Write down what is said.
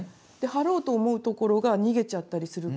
貼ろうと思うところが逃げちゃったりするから。